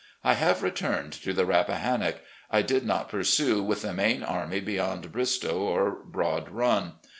. I 'have returned to the Rappahannock. I did not pursue with the main army beyond Bristoe or Broad Rxm.